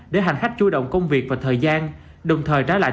để hành khách chú động công việc và thời gian đồng thời trả lại